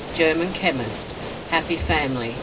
GERMAN CHEMIST. HAPPY FAMILY.